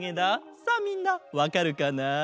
さあみんなわかるかな？